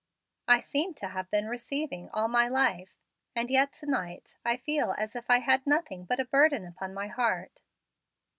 I seem to have been receiving all my life, and yet to night I feel as if I had nothing but a burden upon my heart."